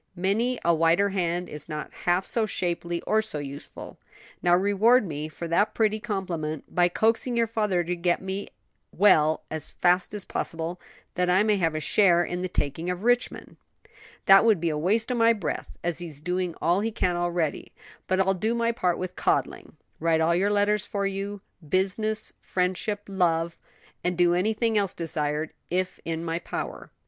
"Many a whiter hand is not half so shapely or so useful. Now reward me for that pretty compliment by coaxing your father to get me well as fast as possible, that I may have a share in the taking of Richmond." "That would be a waste of breath, as he's doing all he can already; but I'll do my part with coddling, write all your letters for you business, friendship, love and do anything else desired; if in my power."